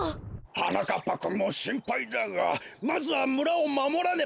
はなかっぱくんもしんぱいだがまずはむらをまもらねばならん。